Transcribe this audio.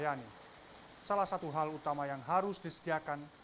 pembangunan perumahan dan patra jasa ini adalah satu hal utama yang harus disediakan